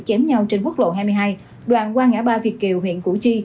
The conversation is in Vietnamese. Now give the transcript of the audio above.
chém nhau trên quốc lộ hai mươi hai đoàn qua ngã ba việt kiều huyện củ chi